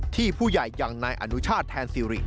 ที่ผู้ใหญ่อย่างนายอนุชาติแทนซิริ